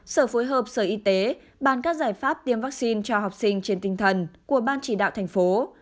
sở phối hợp sở y tế bàn các giải pháp tiêm vaccine cho học sinh trên tinh thần của ban chỉ đạo thành phố